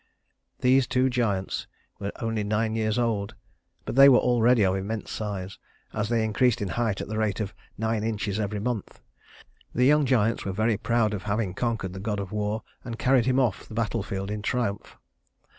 These two giants were only nine years old; but they were already of immense size, as they increased in height at the rate of nine inches every month. The young giants were very proud of having conquered the god of war, and carried him off the battle field in triumph.